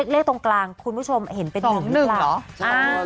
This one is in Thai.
เลขตรงกลางคุณผู้ชมเห็นเป็น๑หรือเปล่า